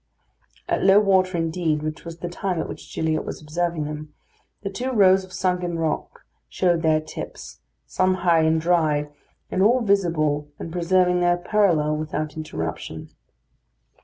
At low water, indeed, which was the time at which Gilliatt was observing them, the two rows of sunken rock showed their tips, some high and dry, and all visible and preserving their parallel without interruption.